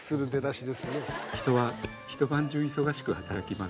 「人は一晩中忙しく働きます」